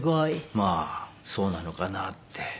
まあそうなのかなって。